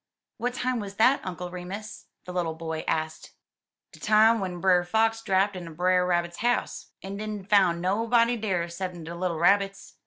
"What time was that. Uncle Remus?" the little boy asked. "De time w'en Brer Fox drapt in at Brer Rabbit's house, en didn't foun' nobody dar ceppin' de little Rabbits.